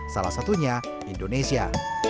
salah satunya indonesia